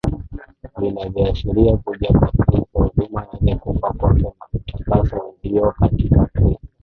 vinavyoashiria Kuja kwa Kristo Huduma yake kufa kwake na utakaso ulio katika Kristo